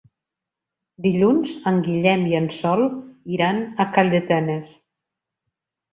Dilluns en Guillem i en Sol iran a Calldetenes.